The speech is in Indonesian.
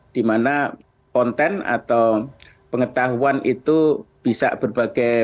di mana konten atau pengetahuan itu bisa berbagai